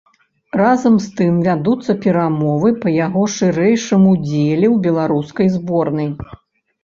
Разам з тым вядуцца перамовы па яго шырэйшым удзеле ў беларускай зборнай.